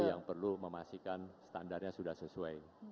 yang perlu memastikan standarnya sudah sesuai